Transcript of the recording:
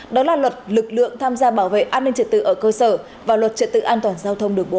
đó là luật lực lượng tham gia bảo vệ an ninh trật tự ở cơ sở và luật trợ tự an toàn giao thông đường bộ